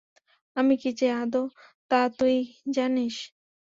আমি কি চাই আদো তা তুই জানিস?